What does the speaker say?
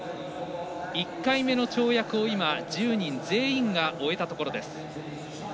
１回目の跳躍を今、１０人全員が終えたところです。